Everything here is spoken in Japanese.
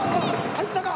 入ったか！？